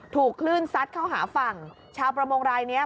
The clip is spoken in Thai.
ถูกคลื่นซัดเข้าหาฝั่งชาวประมงรายเนี้ย